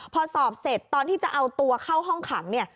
พอสอบเสร็จตอนที่จะเอาตัวเข้าห้องขังเนี่ย